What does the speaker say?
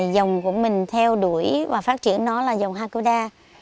dòng của mình theo đuổi và phát triển nó là dòng hakoda